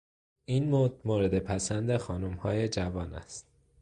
این مد مورد پسند خانمهای جوان است.